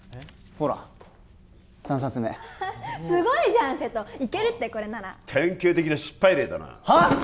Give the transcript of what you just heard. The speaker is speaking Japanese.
ほら３冊目すごいじゃん瀬戸いけるってこれなら典型的な失敗例だなはっ？